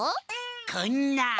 こんな。